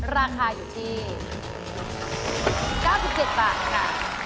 ราคาอยู่ที่๙๗บาทค่ะ